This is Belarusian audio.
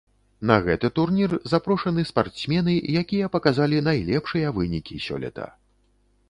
На гэты турнір запрошаны спартсмены, якія паказалі найлепшыя вынікі сёлета.